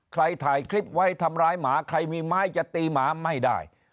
ถ่ายคลิปไว้ทำร้ายหมาใครมีไม้จะตีหมาไม่ได้